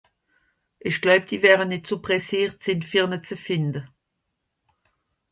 Ìch gläub, die wäre nìtt so presseert sìn, fer ne ze fìnde.